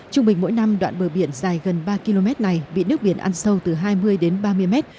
trung bình mỗi năm đoạn bờ biển dài gần ba km này bị nước biển ăn sâu từ hai mươi đến ba mươi mét